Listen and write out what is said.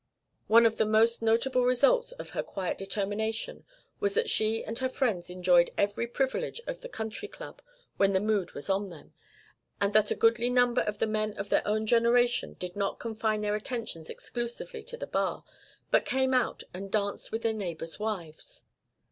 One of the most notable results of her quiet determination was that she and her friends enjoyed every privilege of the Country Club when the mood was on them, and that a goodly number of the men of their own generation did not confine their attentions exclusively to the bar, but came out and danced with their neighbours' wives.